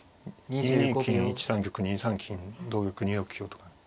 ２二金１三玉２三金同玉２四香とか。